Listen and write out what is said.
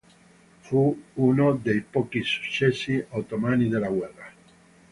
Fu uno dei pochi successi ottomani della guerra.